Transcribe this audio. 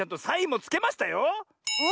サインもつけましたよ。